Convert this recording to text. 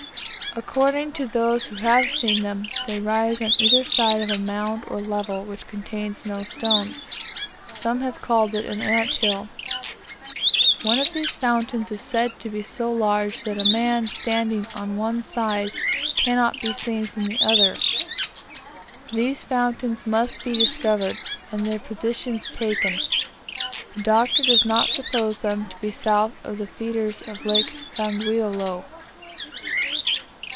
According to those who have seen them, they rise on either side of a mound or level, which contains no stones. Some have called it an ant hill. One of these fountains is said to be so large that a man, standing on one side, cannot be seen from the other. These fountains must be discovered, and their position taken. The Doctor does not suppose them to be south of the feeders of Lake Bangweolo.